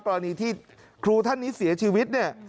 กรณีที่ครูท่านนี้เสียชีวิตเนี่ย